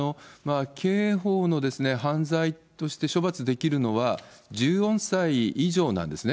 刑法の犯罪として処罰できるのは１４歳以上なんですね。